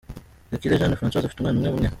Gakire Jeanne Françoise afite umwana umwe umwe.